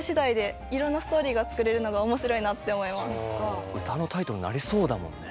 そういう歌のタイトルになりそうだもんね。